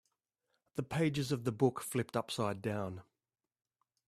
The pages of the book flipped upside down.